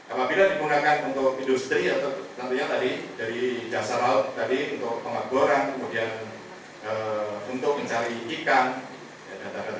apabila digunakan untuk industri tentunya tadi dari jasa laut untuk pengaguran untuk mencari ikan dan lain sebagainya